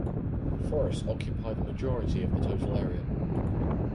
Forests occupy the majority of the total area.